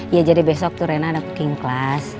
ya jadi besok tuh rena ada cooking class